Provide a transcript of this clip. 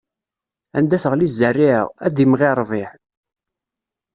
Anda teɣli zzerriɛa, ad imɣi ṛṛbiɛ.